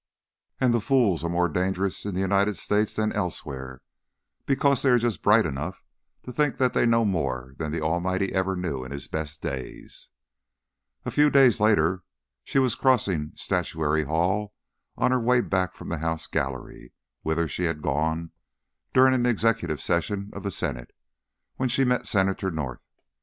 And the fools are more dangerous in the United States than elsewhere, because they are just bright enough to think that they know more than the Almighty ever knew in His best days." A few days later she was crossing Statuary Hall on her way back from the House Gallery; whither she had gone during an Executive Session of the Senate, when she met Senator North.